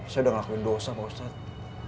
saya udah ngakuin dosa pak ustadz